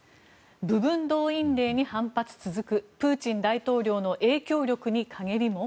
部分動員令に反発続くプーチン大統領の影響力に陰りも？